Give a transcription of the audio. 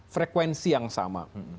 frekuensi yang sama